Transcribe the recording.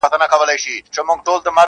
چي د لوږي ږغ یې راغی له لړمونه -